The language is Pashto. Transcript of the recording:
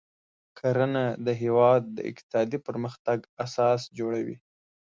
کرنه د هیواد د اقتصادي پرمختګ اساس جوړوي.